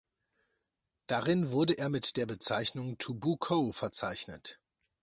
Darin wurde er mit der Bezeichnung „to Bukow“ verzeichnet.